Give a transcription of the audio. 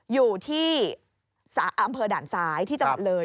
อยู่ที่อำเภอด่านซ้ายที่จังหวัดเลย